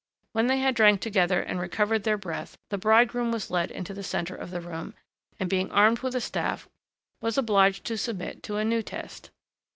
When they had drank together and recovered their breath, the bridegroom was led into the centre of the room, and, being armed with a staff, was obliged to submit to a new test.